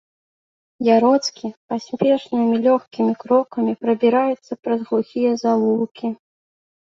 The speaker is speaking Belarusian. Яроцкі паспешнымі лёгкімі крокамі прабіраецца праз глухія завулкі.